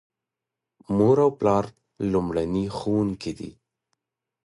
مور او پلار لومړني ښوونکي دي.